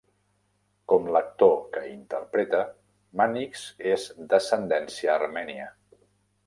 Com l'actor que l'interpreta, Mannix és d'ascendència Armènia.